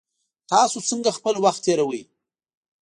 تاسو څنګه خپل وخت تیروئ؟